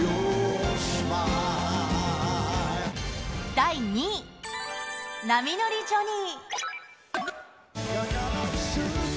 第２位、波乗りジョニー。